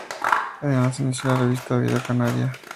Además inició la revista "Vida Canaria".